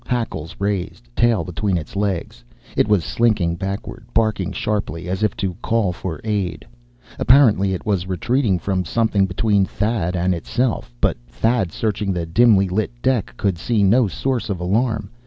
Hackles raised, tail between its legs, it was slinking backward, barking sharply as if to call for aid. Apparently it was retreating from something between Thad and itself. But Thad, searching the dimly lit deck, could see no source of alarm.